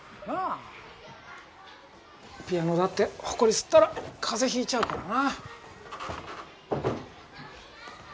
ピアノだってほこりすったらかぜひいちゃうからな。